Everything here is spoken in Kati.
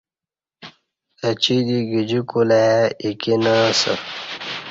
اچی دی گجی کولہ ائ ایکی نہ اسہ۔